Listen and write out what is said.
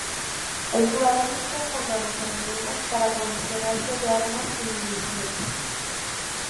El jugador lucha contra los enemigos para aprovisionarse de armas y municiones.